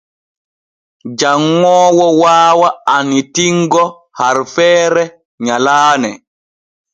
Janŋoowo waawa annitingo harfeere nyalaane.